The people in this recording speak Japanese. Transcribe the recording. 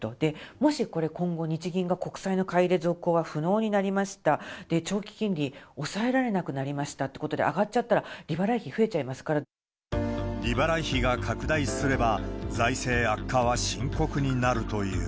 もしこれ今後、日銀が国債の買い入れ続行が不能になりました、長期金利抑えられなくなりましたということで上がっちゃったら利利払い費が拡大すれば、財政悪化は深刻になるという。